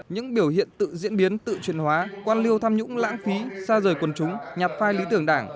những biểu hiện tự diễn biến tự truyền hóa quan liêu tham nhũng lãng phí xa rời quần chúng nhặt phai lý tưởng đảng